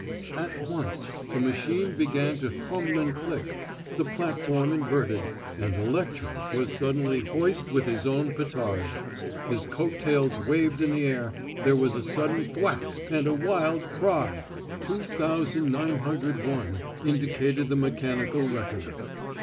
At once the machine began to hum and click. The platform inverted, and the lecturer was suddenly hoist with his own petard. His coat tails waved in the air; there was a sudden thwack and a wild cry. 2901, indicated the mechanical reckoner.